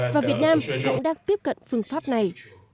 và việt nam cũng đang tiếp cận phương pháp này